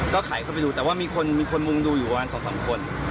ก็ขายเข้าไปดูแต่ว่ามีคนมุ่งดูอยู่กว่า๒๓คน